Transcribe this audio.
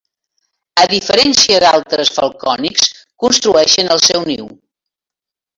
A diferència d'altres falcònids construeixen el seu niu.